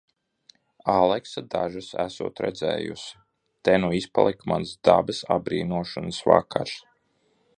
Aleksa dažas esot redzējusi... Te nu izpalika mans dabas apbrīnošanas vakars.